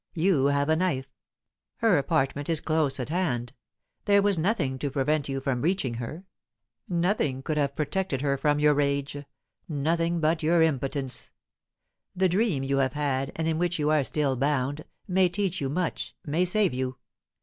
You have a knife. Her apartment is close at hand. There was nothing to prevent you from reaching her. Nothing could have protected her from your rage nothing but your impotence. The dream you have had, and in which you are still bound, may teach you much, may save you.